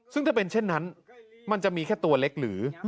ซึ่งถ้าเป็นเช่นนั้นมันจะมีแค่ตัวเล็กหรือ